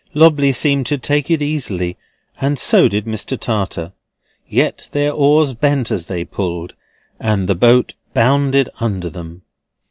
Lobley seemed to take it easily, and so did Mr. Tartar; yet their oars bent as they pulled, and the boat bounded under them.